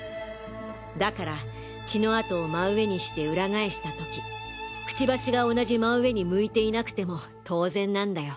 だから血の跡を真上にしてウラ返した時クチバシが同じ真上に向いていなくても当然なんだよ。